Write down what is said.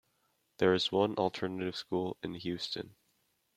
There is one alternative school in Houston.